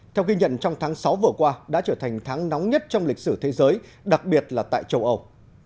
theo ghi nhận trong tháng sáu vừa qua đã trở thành tháng nóng nhất trong lịch sử thế giới đặc biệt là tại châu âu